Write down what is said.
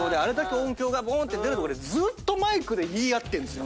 音響が出るとこでずーっとマイクで言い合ってるんですよ。